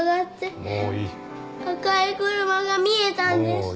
赤い車が見えたんです。